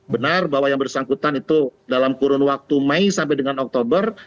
benar bahwa yang bersangkutan itu dalam kurun waktu mei sampai dengan oktober